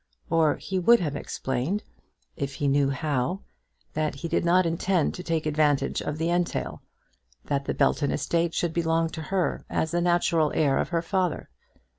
Or he would have explained, if he knew how, that he did not intend to take advantage of the entail, that the Belton estate should belong to her as the natural heir of her father.